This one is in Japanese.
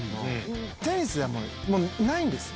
テニスでは、もうないんです。